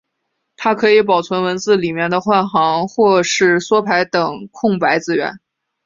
它可以保存文字里面的换行或是缩排等空白字元。